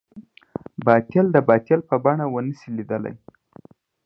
باطل د باطل په بڼه ونه شي ليدلی.